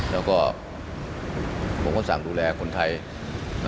แล้วก็บริษัทธิ์สามดูแลคนไทย